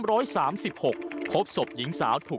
มันกลับมาแล้ว